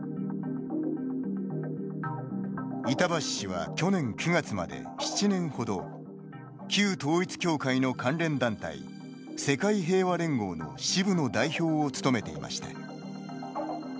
板橋氏は去年９月まで７年ほど旧統一教会の関連団体世界平和連合の支部の代表を務めていました。